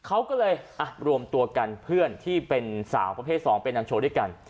เขาก็เลยรวมตัวกันเพื่อนที่เป็นสาวประเภท๒เป็นนางโชว์ด้วยกัน